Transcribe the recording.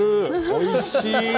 おいしい！